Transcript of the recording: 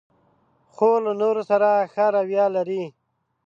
خور له نورو سره ښه رویه لري.